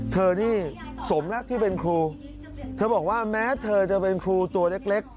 เธอนี่สมแล้วที่เป็นครูเธอบอกว่าแม้เธอจะเป็นครูตัวเล็ก